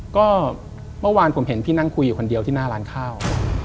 ก็เมื่อวานผมเห็นพี่นั่งคุยอยู่คนเดียวที่หน้าร้านข้าว